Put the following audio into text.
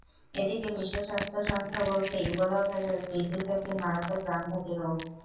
এদিকে বিশ্ব স্বাস্থ্য সংস্থা বলছে, ইবোলা ভাইরাস ডিজিজ একটি মারাত্মক প্রাণঘাতী রোগ।